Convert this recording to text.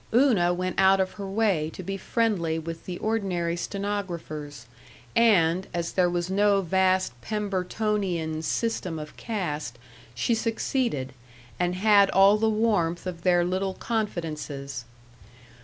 Una went out of her way to be friendly with the ordinary stenographers, and, as there was no vast Pembertonian system of caste, she succeeded, and had all the warmth of their little confidences.